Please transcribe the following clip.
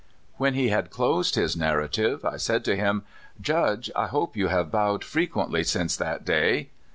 "When he had closed his narrative, I said to him: 'Judge, I hope you have bowed frequently since that day.'